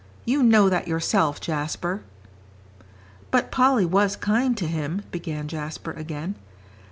You know that yourself, Jasper." "But Polly was kind to him," began Jasper, again.